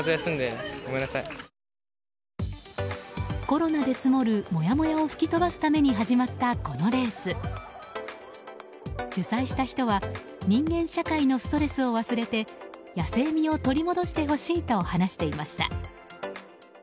コロナで積もるもやもやを吹き飛ばすために始まったこのレース。主催した人は人間社会のストレスを忘れて野性味を取り戻してほしいと話していました。